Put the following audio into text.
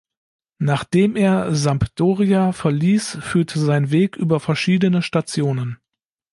Nachdem er Sampdoria verließ führte sein Weg über verschiedene Stationen.